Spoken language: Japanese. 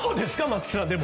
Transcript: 松木さん。